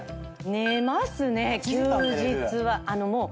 寝ますね休日は。